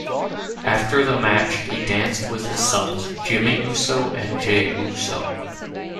After the match, he danced with his sons Jimmy Uso and Jey Uso.